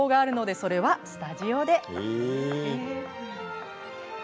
それは、スタジオで。